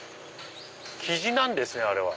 キジなんですねあれは。